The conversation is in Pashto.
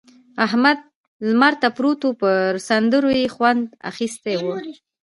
احمد لمر ته پروت وو؛ پر سندرو يې خوند اخيستی وو.